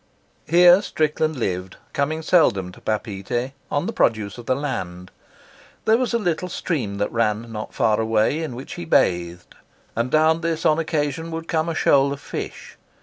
Here Strickland lived, coming seldom to Papeete, on the produce of the land. There was a little stream that ran not far away, in which he bathed, and down this on occasion would come a shoal of fish.